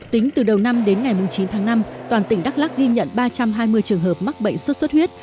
tính từ đầu năm đến ngày chín tháng năm toàn tỉnh đắk lắc ghi nhận ba trăm hai mươi trường hợp mắc bệnh sốt xuất huyết